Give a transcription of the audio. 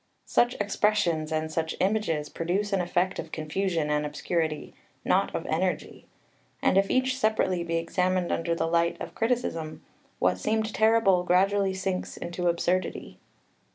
Such expressions, and such images, produce an effect of confusion and obscurity, not of energy; and if each separately be examined under the light of criticism, what seemed terrible gradually sinks into absurdity.